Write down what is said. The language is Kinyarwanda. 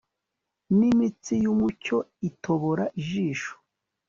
n'imitsi y'umucyo itobora ijisho